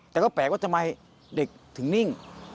แต่ก็แปลกว่าทำไมเด็กถึงนิ่ง